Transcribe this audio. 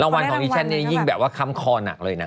รางวัลของอิชั่นเนี่ยยิ่งแบบว่าคำคอหนักเลยนะ